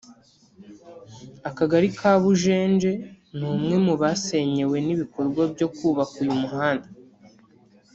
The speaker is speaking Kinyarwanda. Akagari ka Kabujenje ni umwe mu basenyewe n’ibikorwa byo kubaka uyu muhanda